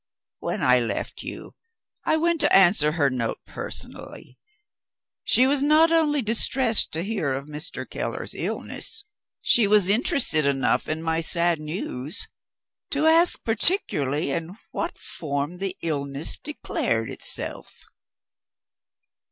When I left you I went to answer her note personally. She was not only distressed to hear of Mr. Keller's illness, she was interested enough in my sad news to ask particularly in what form the illness declared itself.